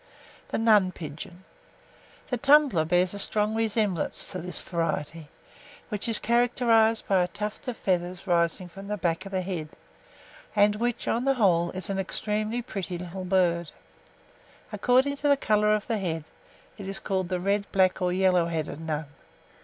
[Illustration: NUN PIGEONS.] THE NUN PIGEON. The Tumbler bears a strong resemblance to this variety, which is characterized by a tuft of feathers rising from the back of the head, and which, on the whole, is an extremely pretty little bird. According to the colour of the head, it is called the red, black, or yellow headed Nun.